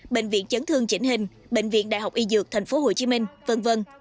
bệnh viện chấn thương chỉnh hình bệnh viện đại học y dược thành phố hồ chí minh v v